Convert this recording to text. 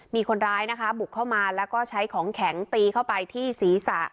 มีคนร้ายนะคะบุกเข้ามาแล้วก็ใช้ของแข็งตีเข้าไปที่ศีรษะ